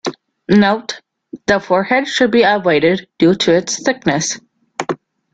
Note: The forehead should be avoided due to its thickness.